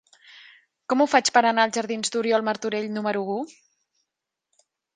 Com ho faig per anar als jardins d'Oriol Martorell número u?